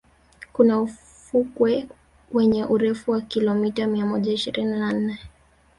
kuna ufukwe wenye urefu wa kilimeta mia moja ishirini na nne